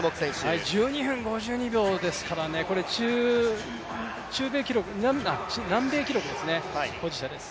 １２分５２秒ですから、南米記録の保持者です。